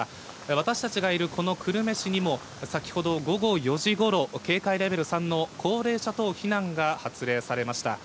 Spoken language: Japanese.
私たちがいるこの久留米市にも、先ほど午後４時ごろ、警戒レベル３の高齢者等避難が発令されました。